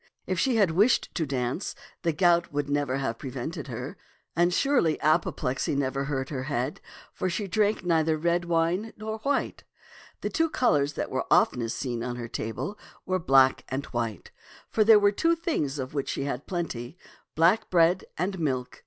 If she had wished to dance, the gout would never have prevented her ; and surely apoplexy never hurt her head, for she drank neither red wine nor white. The two colors that were oftenest seen on her table were black and white, for there were two things of which she had plenty, — black bread and milk.